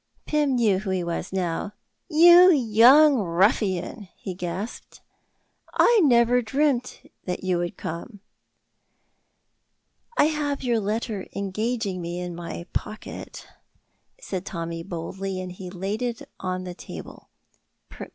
Pym knew who he was now. "You young ruffian," he gasped, "I never dreamt that you would come!" "I have your letter engaging me in my pocket," said Tommy, boldly, and he laid it on the table.